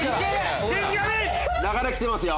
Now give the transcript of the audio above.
流れ来てますよ！